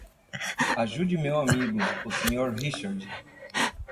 Ajude meu amigo, o Sr. Richard.